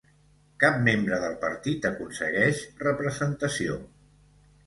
Cap membre del partit aconsegueix representació.